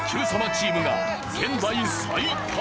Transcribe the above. チームが現在最下位。